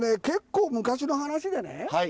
結構昔の話でね